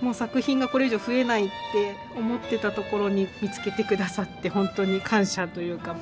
もう作品がこれ以上増えないって思ってたところに見つけて下さってほんとに感謝というか。